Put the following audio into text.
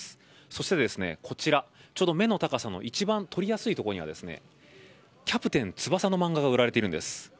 そしてこちらちょうど目の高さの一番取りやすいところには「キャプテン翼」の漫画が売られているんです。